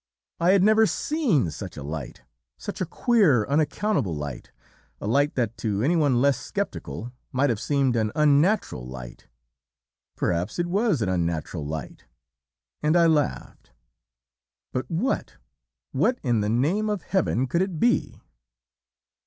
"I had never seen such a light such a queer, unaccountable light a light that to anyone less sceptical might have seemed an 'UNNATURAL' Light! Perhaps it was an unnatural light and I laughed. But what what in the name of Heaven could it be?